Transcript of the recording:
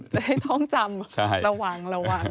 จะให้ท่องจำระวัง